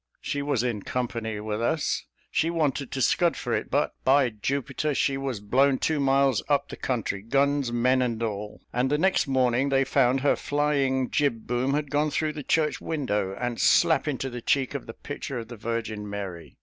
She was in company with us; she wanted to scud for it, but, by Jupiter, she was blown two miles up the country guns, men, and all; and the next morning they found her flying jib boom had gone through the church window, and slap into the cheek of the picture of the Virgin Mary.